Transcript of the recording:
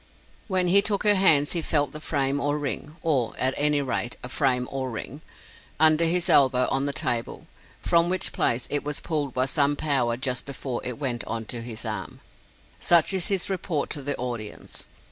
When he took her hands he felt the frame or ring or at any rate, a frame or ring under his elbow on the table, from which place it was pulled by some power just before it went on to his arm. Such is his report to the audience.